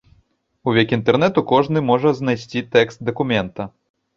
У век інтэрнэту кожны можа знайсці тэкст дакумента.